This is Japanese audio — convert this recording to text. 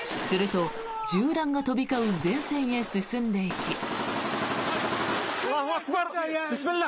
すると、銃弾が飛び交う前線へ進んでいき。